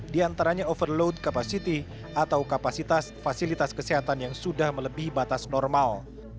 diantaranya overload kapasiti atau kapasitas fasilitas kesehatan yang sudah melebihi batas normal